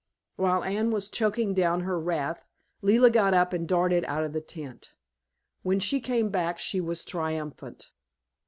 While Anne was choking down her wrath, Leila got up and darted out of the tent. When she came back she was triumphant.